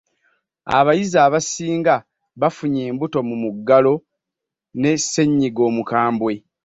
Abayizi abasinga bafunye embuto mu muggalo he's ssenyiga omukambwe.